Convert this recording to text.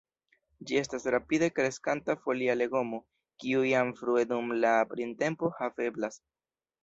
Ĝi estas rapide kreskanta folia legomo, kiu jam frue dum la printempo haveblas.